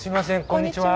こんにちは。